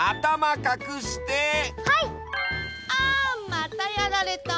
あまたやられた。